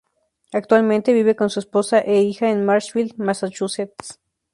Actualmente vive con su esposa e hija en Marshfield, Massachusetts.